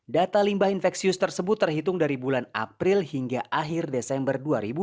data limbah infeksius tersebut terhitung dari bulan april hingga akhir desember dua ribu dua puluh